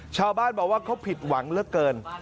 ชาวบ้านบอกว่าเขาผิดหวังเหลือเกิน